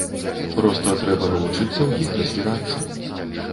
Проста трэба навучыцца ў іх разбірацца.